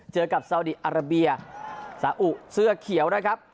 เจอกับเซาร์วรับรีสาอุเซื้อเขียวนะครับ